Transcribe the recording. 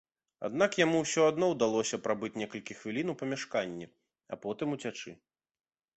Аднак яму ўсё адно ўдалося прабыць некалькі хвілін у памяшканні, а потым уцячы.